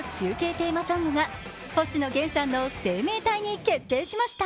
テーマソングが星野源さんの「生命体」に決定しました。